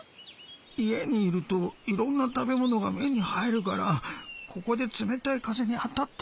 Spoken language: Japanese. いえにいるといろんなたべものがめにはいるからここでつめたいかぜにあたってたんだ。